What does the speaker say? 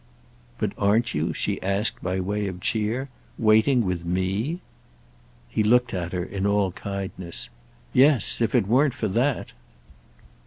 "But aren't you," she asked by way of cheer, "waiting with me?" He looked at her in all kindness. "Yes—if it weren't for that!"